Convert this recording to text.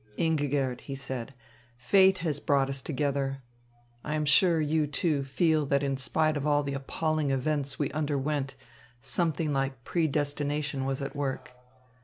"Ingigerd," he said, "fate has brought us together. I am sure you, too, feel that in spite of all the appalling events we underwent, something like predestination was at work."